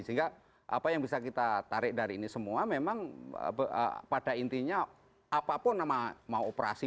sehingga apa yang bisa kita tarik dari ini semua memang pada intinya apapun nama mau operasi